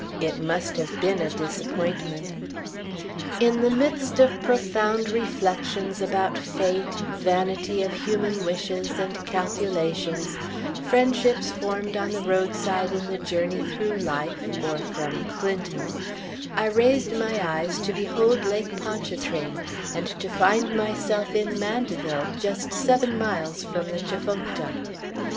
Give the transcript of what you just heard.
It must have been a disappointment! In the midst of profound reflections about fate, vanity of human wishes and calculations, friendships formed on the roadside in the journey through life (or from Clinton), I raised my eyes to behold Lake Ponchartrain, and to find myself in Mandeville, just seven miles from the Tchefuncta.